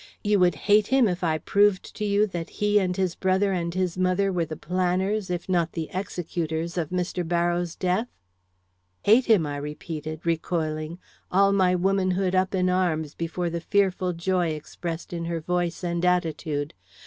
"You would hate him, if I proved to you that he and his brother and his mother were the planners, if not the executors, of Mr. Barrows' death." "Hate him?" I repeated, recoiling, all my womanhood up in arms before the fearful joy expressed in her voice and attitude.